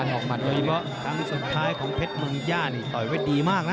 ระยิบะครั้งสุดท้ายของเพชรเมืองย่าต่อยไว้ดีมากนะ